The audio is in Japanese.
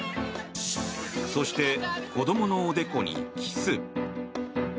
そして、子どものおでこにキス。